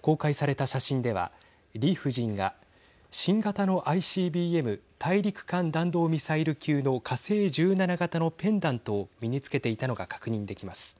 公開された写真では、リ夫人が新型のＩＣＢＭ＝大陸間弾道ミサイル級の火星１７型のペンダントを身につけていたのが確認できます。